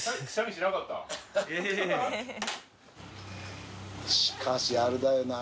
しかしあれだよな。